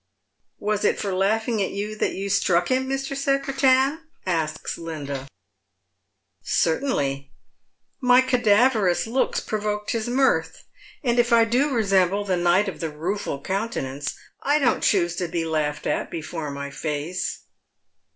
" Was it for laughing at you that you struck him, Mr. Secretan ?" asks Linda. " Certainly. My cadaverous looks provoked his mirth, and if I do resemble the Knight of the Rueful Countenance, I don't choose to be laughed at before mj' face."